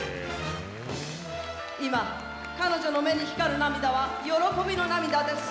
今彼女の目に光る涙は喜びの涙です。